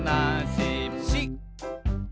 「し」